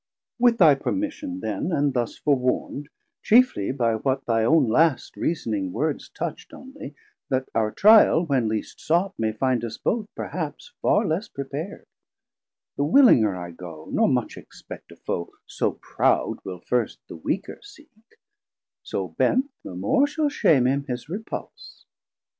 With thy permission then, and thus forewarnd Chiefly by what thy own last reasoning words Touchd onely, that our trial, when least sought, 380 May finde us both perhaps farr less prepar'd, The willinger I goe, nor much expect A Foe so proud will first the weaker seek; So bent, the more shall shame him his repulse.